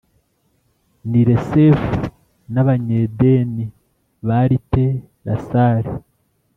n i Resefu n Abanyedeni bari i Telasari